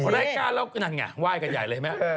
รายการเราก็นั่นไงไหว้กันใหญ่เลยไหม